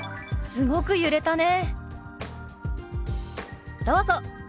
「すごく揺れたね」。